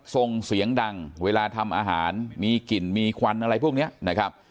ส่งเสียงดังเวลาทำอาหารมีกลิ่นมีควันอะไรพวกนี้นะครับ